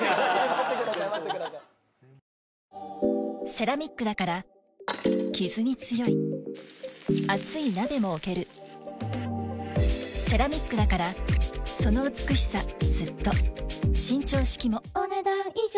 セラミックだからキズに強い熱い鍋も置けるセラミックだからその美しさずっと伸長式もお、ねだん以上。